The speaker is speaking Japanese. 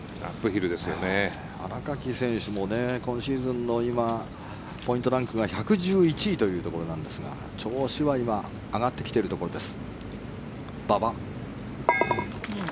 新垣選手も今シーズンの今ポイントランクが１１１位というところなんですが調子は今上がってきているところです。